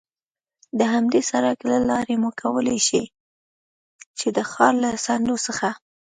د همدې سړک له لارې مو کولای شوای، چې د ښار له څنډو څخه.